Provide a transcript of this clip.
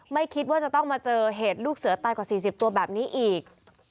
ไม่คิดว่าจะต้องมาเจอเหตุลูกเสือตายกว่า๔๐ตัวแบบนี้อีก